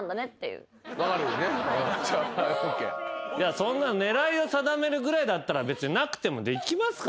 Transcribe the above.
そんな狙いを定めるぐらいだったら別になくてもできますからね。